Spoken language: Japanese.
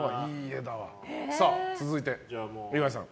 続いて、岩井さん。